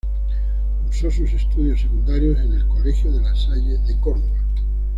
Cursó sus estudios secundarios en el Colegio de La Salle de Córdoba.